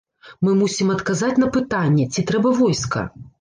Мы мусім адказаць на пытанне, ці трэба войска?